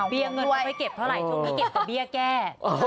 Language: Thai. เบี้ยเงินเข้าไปเก็บเท่าไหร่ช่วงนี้เก็บกับเบี้ยแก้